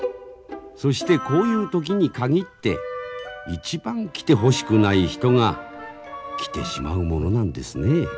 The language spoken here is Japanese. そしてこういう時に限って一番来てほしくない人が来てしまうものなんですねえ。